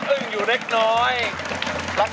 ตั้งแต่เกิดมาเป็นมวลมนุษยชาติ